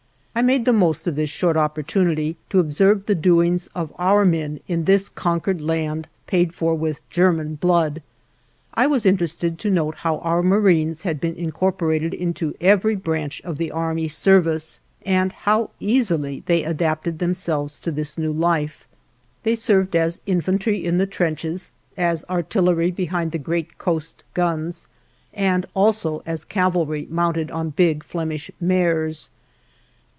I made the most of this short opportunity to observe the doings of our men in this conquered land paid for with German blood. I was interested to note how our Marines had been incorporated in every branch of the Army service, and how easily they adapted themselves to this new life. They served as infantry in the trenches, as artillery behind the great coast guns, and also as cavalry mounted on big Flemish mares.